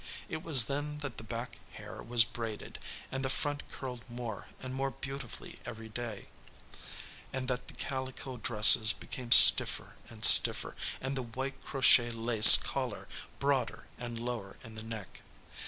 It was then that the back hair was braided and the front curled more and more beautifully every day, and that the calico dresses became stiffer and stiffer, and the white crochet lace collar broader and lower in the neck.